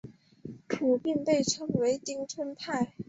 普遍被称为町村派。